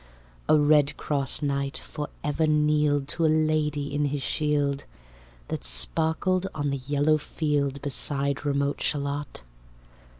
A redcross knight for ever kneeled To a lady in his shield, That sparkled on the yellow field, Beside remote Shalott.